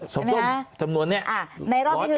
ถูกไหมและไม่รอบที่คือ